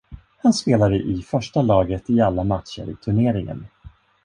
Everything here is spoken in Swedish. Han spelade i första laget i alla matcher i turneringen.